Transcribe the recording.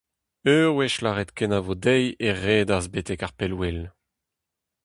Ur wech lâret kenavo dezhi e redas betek ar pellwel.